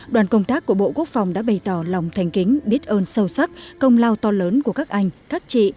đoàn công tác của bộ quốc phòng đã bày tỏ lòng thành kính biết ơn sâu sắc công lao to lớn của các anh các chị